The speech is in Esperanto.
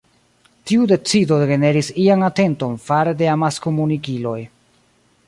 Tiu decido generis ian atenton fare de amaskomunikiloj.